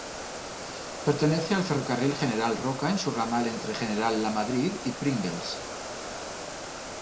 Pertenece al Ferrocarril General Roca en su ramal entre General La Madrid y Pringles.